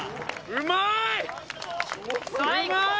うまーい